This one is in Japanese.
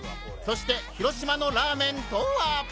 そして広島の「ラーメン」とは！？